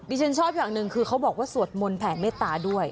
ฉันชอบอย่างหนึ่งคือเขาบอกว่าสวดมนต์แผ่เมตตาด้วย